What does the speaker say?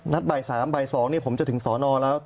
นัดบ่าย๓บ่าย๒ผมจะถึงสวนแล้ว